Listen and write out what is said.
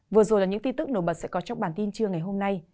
vừa rồi là những tin tức nổi bật sẽ có trong bản tin trưa ngày hôm nay